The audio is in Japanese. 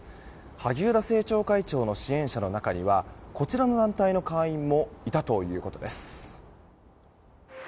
萩生田政調会長の支援者の中にはこちらの団体の会員もいたということです。